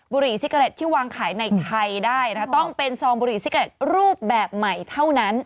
บุหรี่ซิกเกอเรตที่วางขายในไทยได้นะคะต้องเป็นซองบุหรี่ซิเกร็ดรูปแบบใหม่เท่านั้น